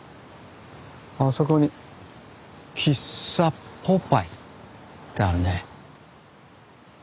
あそこに喫茶ポパイってあるね。